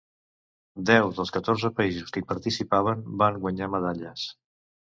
Deu dels catorze països que hi participaven ban guanyar medalles.